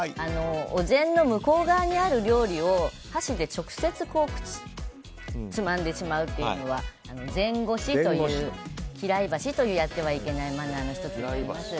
お膳の向こう側にある料理を箸で直接つまんでしまうというのは膳ごしという嫌い箸でやってはいけないマナーの１つになります。